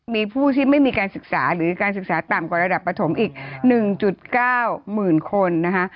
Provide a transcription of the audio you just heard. มีผู้ที่ไม่มีการศึกษาหรือการศึกษาต่ำกว่าระดับปฐมอีก๑๙๐๐คนนะคะ